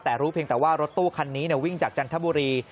แต่รู้เพียงแต่ว่ารถตู้คันนี้วิ่งจากจันทบุรี